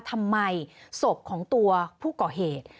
ทำไมศพของตัวผู้ก่อเหตุ